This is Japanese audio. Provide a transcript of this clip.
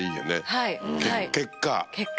結果。